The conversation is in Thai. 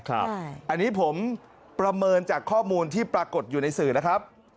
อันนี้ผมประเมินจากข้อมูลที่ปรากฏอยู่ในสื่อนะครับ